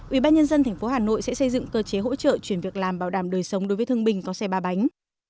ubnd tp hà nội sẽ xây dựng cơ chế hỗ trợ chuyển việc làm bảo đảm đời sống đối với thương binh có xe ba bánh